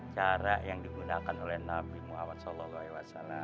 cara yang digunakan oleh nabi muhammad saw